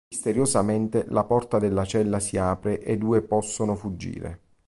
Misteriosamente la porta della cella si apre e i due possono fuggire.